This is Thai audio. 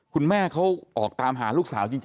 คุณแม่เขาออกตามหาลูกสาวจริง